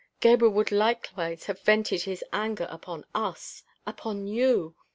Gebhr would likewise have vented his anger upon us upon you.